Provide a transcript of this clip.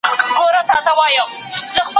هغه سړی چې سګرټ یې وغورځاوه ډېر لرې لاړ.